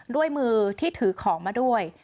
ด้วยมือที่ถือของมาด้วย